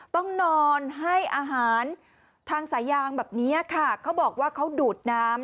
ต้องนอนให้อาหารทางสายางแบบนี้ค่ะเขาบอกว่าเขาดูดน้ำ